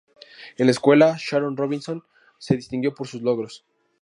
En la escuela, Sharon Robinson se distinguió por sus logros.